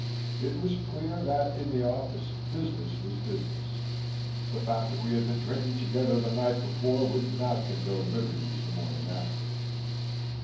It was clear that, in the office, business was business; the fact that we had been drinking together the night before would not condone liberties the morning after.